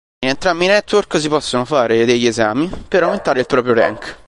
In entrambi i network si possono fare degli esami per aumentare il proprio rank.